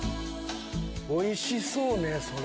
おいしそうね、それ。